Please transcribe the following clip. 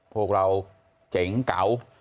พวกเราเจ๋งเก่า